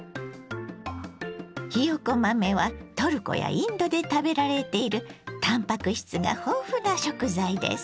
ひよこ豆はトルコやインドで食べられているたんぱく質が豊富な食材です。